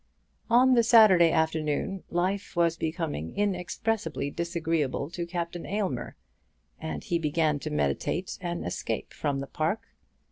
On the Saturday afternoon life was becoming inexpressibly disagreeable to Captain Aylmer, and he began to meditate an escape from the Park.